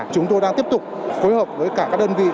chúng tôi đang tiếp tục phối hợp với cả các đơn vị